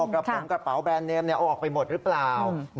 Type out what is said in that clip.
กระโปรงกระเป๋าแบรนดเนมเอาออกไปหมดหรือเปล่า